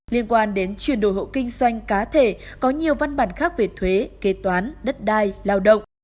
liên quan đến chuyển đổi hộ kinh doanh cá thể có nhiều văn bản khác về thuế kế toán đất đai lao động